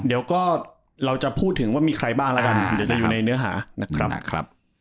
เดี๋ยวก็เราจะพูดถึงว่ามีใครบ้างแล้วกันเดี๋ยวจะอยู่ในเนื้อหานะครับ